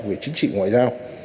về chính trị ngoại giao